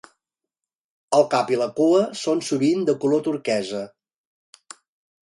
El cap i la cua són sovint de color turquesa.